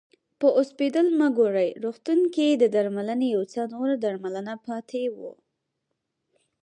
په اوسپیډل مګوري روغتون کې د درملنې یو څه نوره درملنه پاتې وه.